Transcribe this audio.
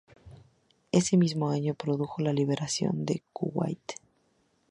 Ese mismo año se produjo la Liberación de Kuwait.